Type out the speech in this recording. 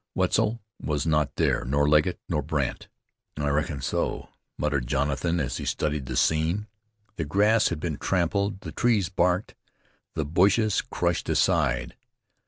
Wetzel was not there, nor Legget, nor Brandt. "I reckoned so," muttered Jonathan as he studied the scene. The grass had been trampled, the trees barked, the bushes crushed aside.